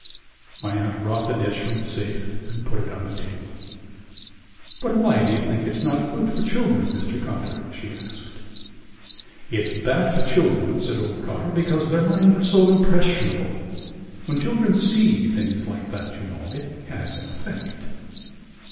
My aunt brought the dish from the safe and put it on the table. "But why do you think it's not good for children, Mr Cotter?" she asked. "It's bad for children," said old Cotter, "because their minds are so impressionable. When children see things like that, you know, it has an effect...."